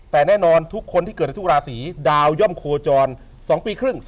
แต่แน่นอนทุกคนที่เกิดในทุกราศีดาวย่อมโคจร๒ปีครึ่ง